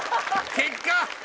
結果！